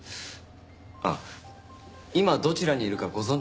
あっ今どちらにいるかご存じですか？